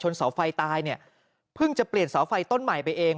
เสาไฟตายเนี่ยเพิ่งจะเปลี่ยนเสาไฟต้นใหม่ไปเอง